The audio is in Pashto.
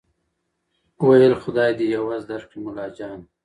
ویل خدای دي عوض درکړي ملاجانه